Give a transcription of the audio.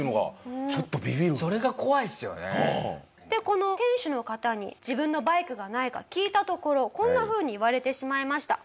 この店主の方に自分のバイクがないか聞いたところこんな風に言われてしまいました。